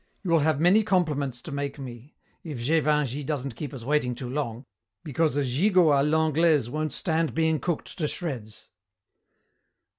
You will have many compliments to make me if Gévingey doesn't keep us waiting too long, because a gigot à l'Anglaise won't stand being cooked to shreds."